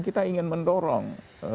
kita ingin mendorong